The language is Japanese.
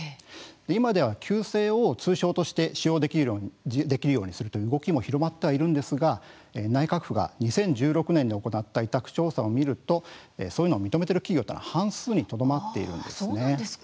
今では旧姓を通称として使用できるようにするという動きが広まっているんですが内閣府が２０１６年に行った委託調査を見るとそういうことを認めている企業は半数にとどまっているんです。